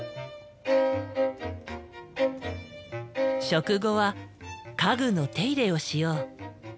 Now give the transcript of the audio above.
食後は家具の手入れをしよう。